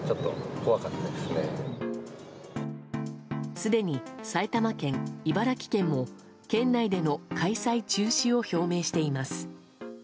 すでに、埼玉県、茨城県も県内での開催中止を表明しています。